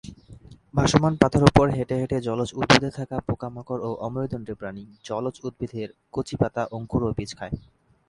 ভাসমান পাতার ওপর হেঁটে হেঁটে জলজ উদ্ভিদে থাকা পোকা-মাকড় ও অমেরুদণ্ডী প্রাণী, জলজ উদ্ভিদের কচি পাতা, অঙ্কুর ও বীজ খায়।